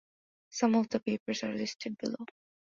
Some of the papers are listed below.